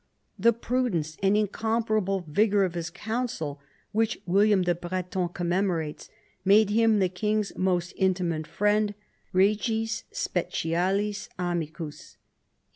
The " prudence and incom parable vigour of his counsel," which William the Breton commemorates, made him the king's most intimate friend (regis specialis amicus).